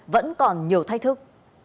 vẫn còn nhiều thay thức